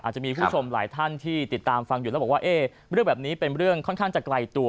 จะมีผู้ชมหลายท่านที่ติดตามฟังอยู่แล้วบอกว่าเรื่องแบบนี้เป็นเรื่องค่อนข้างจะไกลตัว